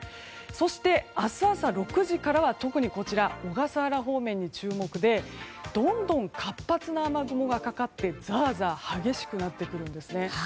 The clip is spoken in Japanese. そして、明日朝６時からは特に小笠原方面に注目でどんどん活発な雨雲がかかってザーザーと激しくなってくるんですね。